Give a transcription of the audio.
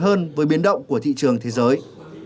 hơn với biến động của thị trường thế giới